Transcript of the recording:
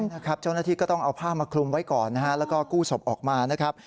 นะครับเจ้าหน้าที่ก็ต้องเอาผ้ามาคลุมไว้ก่อนนะฮะแล้วก็กู้ศพออกมานะครับ